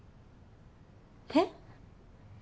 えっ？